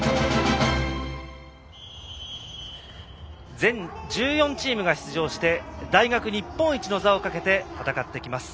全１４チームが出場して大学日本一の座をかけて戦ってきます。